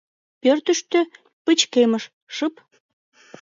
Пӧртыштӧ пычкемыш, шып.